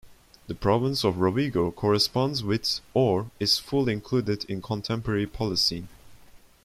The province of Rovigo corresponds with or is full included into contemporary Polesine.